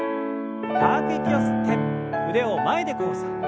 深く息を吸って腕を前で交差。